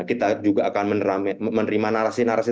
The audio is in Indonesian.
kita juga akan menerima narasi narasi